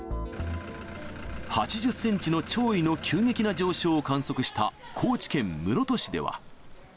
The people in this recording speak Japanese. ８０センチの潮位の急激な上昇を観測した高知県室戸市では。